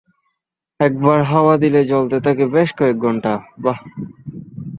একবার হাওয়া দিলে জ্বলতে থাকে বেশ কয়েক ঘণ্টা।